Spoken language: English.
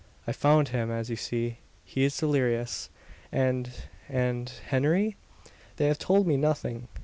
I found him as you see. He is delirious." "And and Henry?" "They have told me nothing.